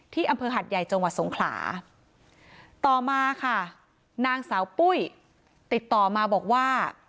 อำเภอหัดใหญ่จังหวัดสงขลาต่อมาค่ะนางสาวปุ้ยติดต่อมาบอกว่า